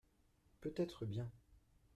Peut-être bien.